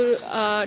terus saya juga